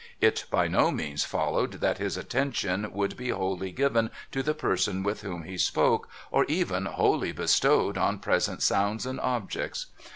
It by no means followed that his attention should be wholly given to the person with whom he spoke, or even wholly bestowed on present sounds and objects.